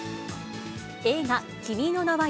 映画、君の名は。